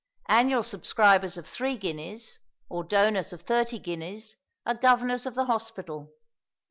Annual subscribers of three guineas, or donors of thirty guineas, are governors of the hospital.